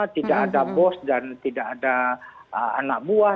tidak ada bos dan tidak ada anak buah